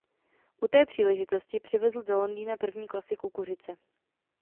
U té příležitosti přivezl do Londýna první klasy kukuřice.